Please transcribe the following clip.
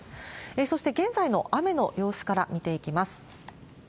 そして現在の雨の様子から見ていきます。